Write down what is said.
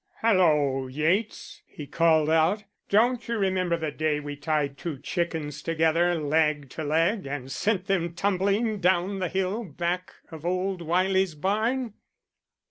"Halloo! Yates," he called out. "Don't you remember the day we tied two chickens together, leg to leg, and sent them tumbling down the hill back of old Wylie's barn?"